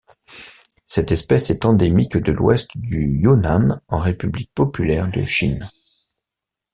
Cette espèce est endémique de l'Ouest du Yunnan en République populaire de Chine.